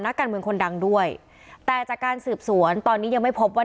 นักการเมืองคนดังด้วยแต่จากการสืบสวนตอนนี้ยังไม่พบว่า